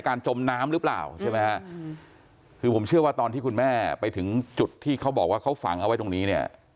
จมน้ำหรือเปล่าใช่ไหมฮะคือผมเชื่อว่าตอนที่คุณแม่ไปถึงจุดที่เขาบอกว่าเขาฝังเอาไว้ตรงนี้เนี่ย